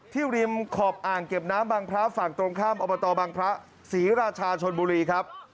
ริมขอบอ่างเก็บน้ำบางพระฝั่งตรงข้ามอบตบังพระศรีราชาชนบุรีครับ